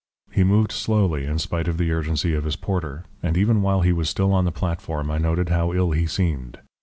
He moved slowly in spite of the urgency of his porter, and even while he was still on the platform I noted how ill he seemed.